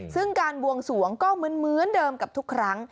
ซึ่งการบวงสวงก็เหมือนเดิมกับทุกครั้ง